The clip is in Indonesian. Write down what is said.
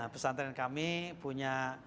pesan tren kami punya